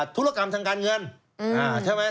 ธุรกรรมทางการเงินใช่ไหม